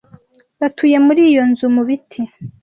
Batuye muri iyo nzu mu biti.